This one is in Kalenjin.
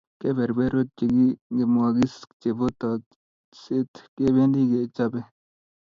keberberwek chekingemokis chebo teksoshek kebendi kechobei